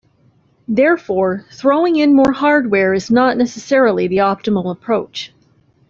Therefore, throwing in more hardware is not necessarily the optimal approach.